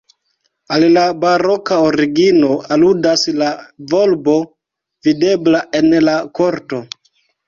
Al la baroka origino aludas la volbo videbla en la korto.